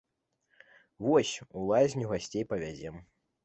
Вось, у лазню гасцей павязем.